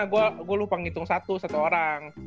gue lupa ngitung satu satu orang